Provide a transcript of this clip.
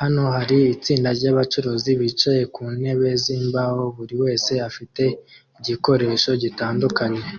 Hano hari itsinda ryabacuranzi bicaye ku ntebe zimbaho buri wese afite igikoresho gitandukanye